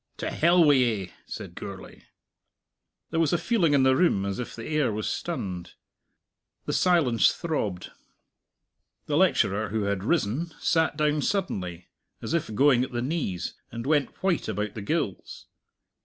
"To hell wi' ye!" said Gourlay. There was a feeling in the room as if the air was stunned. The silence throbbed. The lecturer, who had risen, sat down suddenly as if going at the knees, and went white about the gills.